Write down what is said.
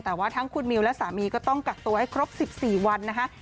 แต่ว่าทั้งคุณมิวและสามีก็ต้องกักตัวให้ครบ๑๔วันนะคะ